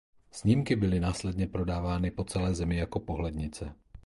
Snímky byly následně prodávány po celé zemi jako pohlednice.